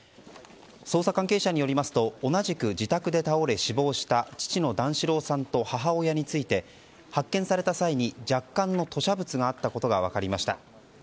捜査関係者によりますと同じく自宅で倒れ死亡した父の段四郎さんと母親について発見された際に若干の吐しゃ物があったことが分かりました。